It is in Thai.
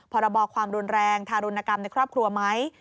พรบความรุนแรงทารุณกรรมในครอบครัวไหม